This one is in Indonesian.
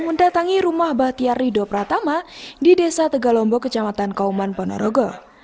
mendatangi rumah bahtiar rido pratama di desa tegalombo kecamatan kauman ponorogo